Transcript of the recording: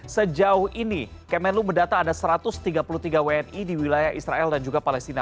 sejauh ini kemenlu mendata ada satu ratus tiga puluh tiga wni di wilayah israel dan juga palestina